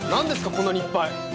こんなにいっぱい。